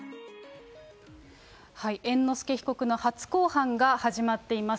猿之助被告の初公判が始まっています。